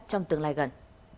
trong tương lai gần